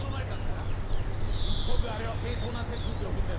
言っとくがあれは正当な手続きを踏んでる。